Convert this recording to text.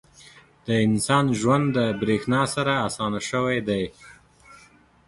• د انسان ژوند د برېښنا سره اسانه شوی دی.